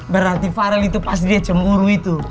berarti farel itu pasti dia cemburu itu